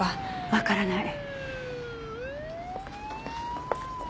わからない。